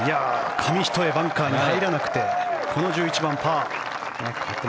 紙一重バンカーに入らなくてこの１１番、パー。